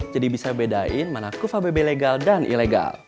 jadi bisa bedain mana kuva bb legal dan ilegal